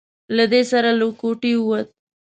له دې سره له کوټې ووت.